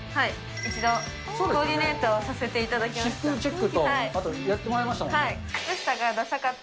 一度コーディネートをさせていただきました。